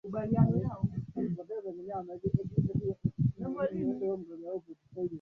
Mheshimiwa Samia aliteuliwa na aliyekuwa Katibu Mkuu wa Umoja wa Mataifa